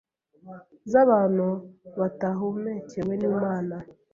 z’abantu batahumekewe n’Imana,